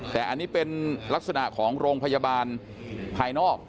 แต่อันนี้เป็นลักษณะของโรงพยาบาลภายนอก